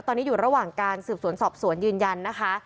ตอนนี้อยู่ระหว่างการสืบสวนสอบสวนยืนยันนะคะ